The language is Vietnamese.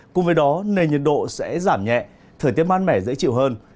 cùng với đó nền nhiệt độ sẽ giảm nhẹ thời tiết mát mẻ dễ chịu hơn